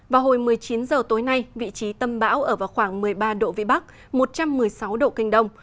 vào hồi một mươi chín h tối nay vị trí tâm bão ở vào khoảng một mươi ba độ vĩ bắc một trăm một mươi sáu độ kinh đông